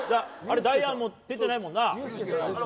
ダイアンも出てないもんな？